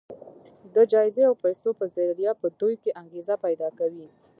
د جايزې او پيسو په ذريعه په دوی کې انګېزه پيدا کوي.